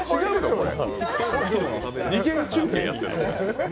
これ。